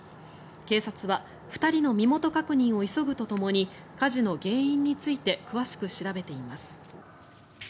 警察は２人の身元確認を急ぐとともに火事の原因について詳しく調べています。